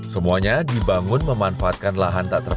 semuanya dibangun memanfaatkan lahan tak terpapa